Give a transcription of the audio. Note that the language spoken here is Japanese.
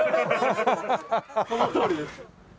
そのとおりです。